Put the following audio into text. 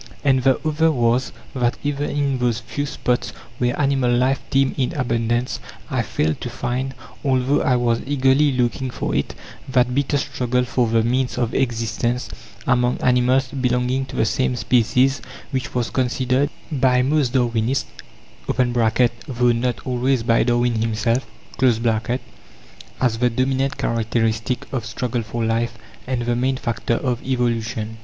And the other was, that even in those few spots where animal life teemed in abundance, I failed to find although I was eagerly looking for it that bitter struggle for the means of existence, among animals belonging to the same species, which was considered by most Darwinists (though not always by Darwin himself) as the dominant characteristic of struggle for life, and the main factor of evolution.